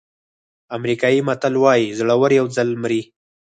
امریکایي متل وایي زړور یو ځل مري.